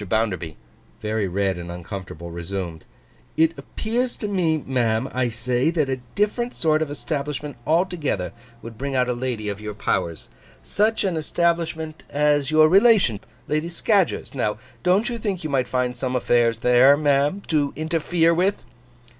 Bounderby, very red and uncomfortable, resumed: 'It appears to me, ma'am, I say, that a different sort of establishment altogether would bring out a lady of your powers. Such an establishment as your relation, Lady Scadgers's, now. Don't you think you might find some affairs there, ma'am, to interfere with?